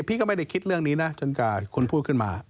พี่ก็ไม่ได้คิดเรื่องนี้นะจนกว่าคุณพูดขึ้นมา